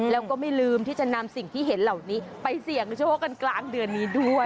แล้วก็ไม่ลืมที่จะนำสิ่งที่เห็นเหล่านี้ไปเสี่ยงโชคกันกลางเดือนนี้ด้วย